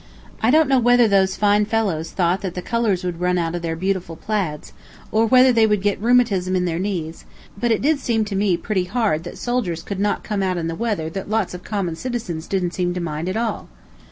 I don't know whether those fine fellows thought that the colors would run out of their beautiful plaids, or whether they would get rheumatism in their knees; but it did seem to me pretty hard that soldiers could not come out in the weather that lots of common citizens didn't seem to mind at all.